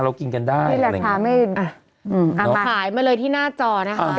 ร้านนี้มีนานแล้วนะ